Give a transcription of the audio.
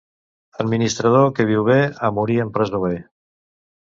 Administrador que viu bé, a morir en presó ve.